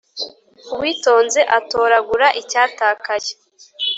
Uwitonze atoragura icyatakaye.